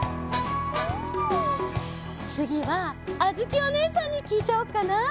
つぎはあづきおねえさんにきいちゃおうかな。